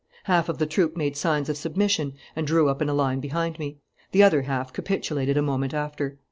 Half of the troop made signs of submission and drew up in line behind me. The other half capitulated a moment after.